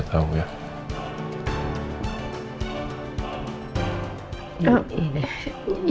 apapun yang kalian dengar